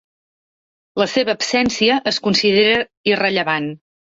La seva absència es considera irrellevant.